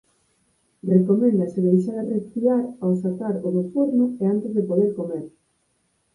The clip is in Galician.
Recoméndase deixar arrefriar ao sacar o do forno e antes de poder comer.